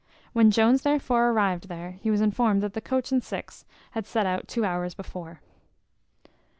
When Jones therefore arrived there, he was informed that the coach and six had set out two hours before.